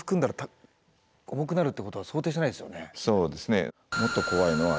そうですね。